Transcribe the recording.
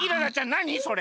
なにそれ？